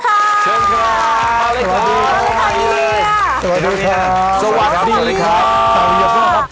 เชิญค่ะสวัสดีค่ะเฮียสวัสดีค่ะสวัสดีค่ะสวัสดีค่ะ